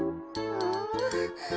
うん。